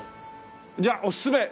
じゃあおすすめ！